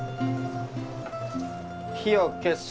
火を消す。